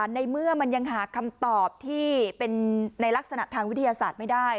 ในเมื่อมันยังหาคำตอบที่เป็นในลักษณะทางวิทยาศาสตร์ไม่ได้